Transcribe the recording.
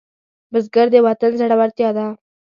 بزګر د وطن زړورتیا ده